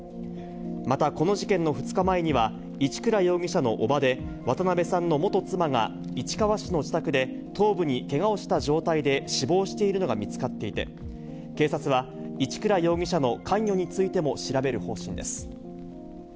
またこの事件の２日前には、一倉容疑者の伯母で、渡辺さんの元妻が、市川市の自宅で、頭部にけがをした状態で死亡しているのが見つかっていて、警察は一倉容疑者の関与についても調べる方針です。